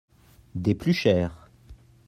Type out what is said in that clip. Des plus chères.